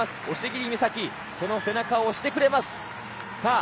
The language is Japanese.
押切美沙紀、その背中を押してくれます。